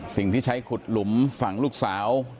สิ่งที่ใช้ขุดหลุมฝั่งลูกสาว